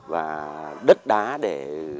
và đất đá để